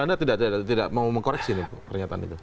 anda tidak mau mengkoreksi pernyataan itu